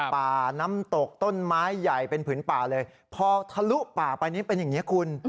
ป่าน้ำตกต้นไม้ใหญ่เป็นผืนป่าเลยพอทะลุป่าไปนี่เป็นอย่างนี้คุณ